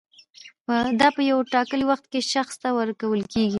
دا په ټاکلي وخت کې شخص ته ورکول کیږي.